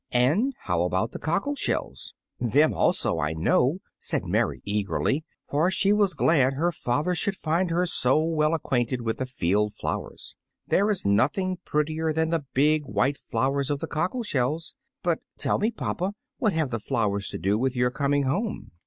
"And how about the cockle shells?" "Them also I know," said Mary eagerly, for she was glad her father should find her so well acquainted with the field flowers; "there is nothing prettier than the big white flowers of the cockle shells. But tell me, papa, what have the flowers to do with your coming home?"